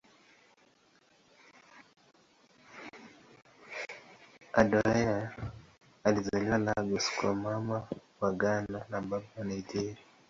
Adeola alizaliwa Lagos kwa Mama wa Ghana na Baba wa Nigeria.